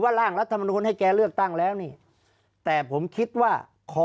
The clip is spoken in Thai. ร่างรัฐมนุนให้แกเลือกตั้งแล้วนี่แต่ผมคิดว่าขอ